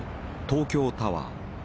東京タワー。